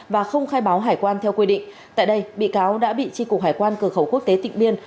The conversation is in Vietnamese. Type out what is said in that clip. và không khai báo hải quan theo quy định tại đây bị cáo đã bị tri cục hải quan cửa khẩu quốc tế tịnh biên